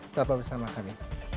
tetap bersama kami